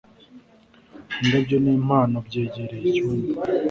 indabyo n'impano byegereye icyumba